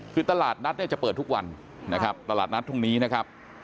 คือตลาดนัดจะเปิดทุกวันตลาดนัดทุกวันนี้นะครับ